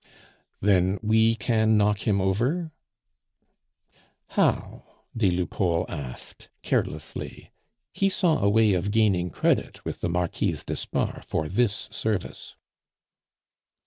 "Then we can knock him over?" "How?" des Lupeaulx asked carelessly. He saw a way of gaining credit with the Marquise d'Espard for this service.